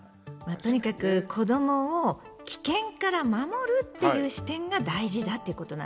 とにかく子どもを危険から守るっていう視点が大事だっていうことなんだよね。